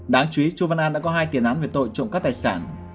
đáng chú ý trung văn an đã có hai tiền án về tội trộm các tài sản